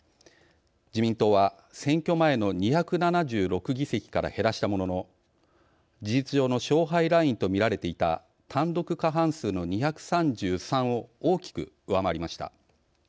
自民党は選挙前の２７６議席から減らしたものの事実上の勝敗ラインとみられていた単独過半数の２３３を大きく上回りました。